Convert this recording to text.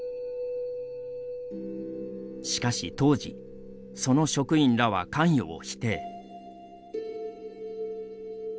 しかし当時その職員らは関与を否定。